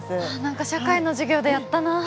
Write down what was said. あ何か社会の授業でやったな。